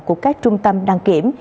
của các trung tâm đăng kiểm